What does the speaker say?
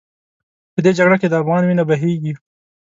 په دې جګړه کې د افغان وینه بهېږي.